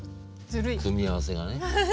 組み合わせがね。